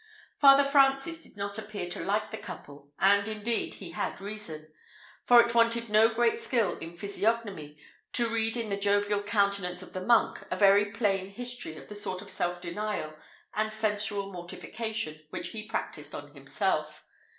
Father Francis did not appear to like the couple, and indeed he had reason; for it wanted no great skill in physiognomy to read in the jovial countenance of the monk a very plain history of the sort of self denial and sensual mortification which he practised on himself.